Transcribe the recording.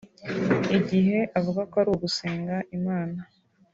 igihe avuga ko ari gusenga Imana